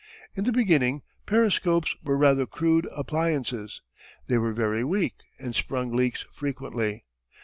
In the beginning periscopes were rather crude appliances. They were very weak and sprung leaks frequently.